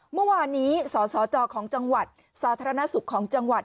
เมื่อวานนี้สสจของจังหวัดสาธารณสุขของจังหวัด